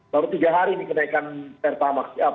baru tiga hari ini kenaikan pertamax